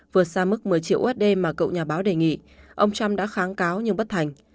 vượt xa mức một mươi triệu usd mà cựu nhà báo đề nghị ông trump đã kháng cáo nhưng bất thành